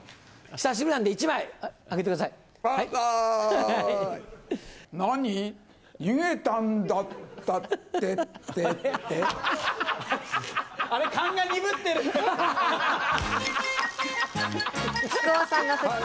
久しぶりなんで１枚あげてくばんざーい！